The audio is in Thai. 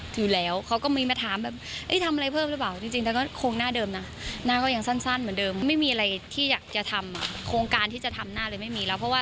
สวัสดีครับ